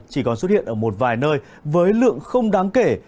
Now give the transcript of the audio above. chỉ còn xuất hiện ở một vài nơi với lượng không đáng kể